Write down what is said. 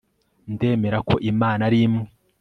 ndemera ko imana ari imwe